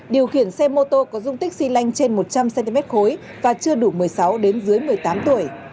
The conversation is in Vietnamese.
điều khiển xe mô tô có dung tích xy lanh trên một trăm linh cm khối và chưa đủ một mươi sáu đến dưới một mươi tám tuổi